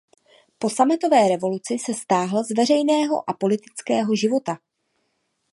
Po sametové revoluci se stáhl z veřejného a politického života.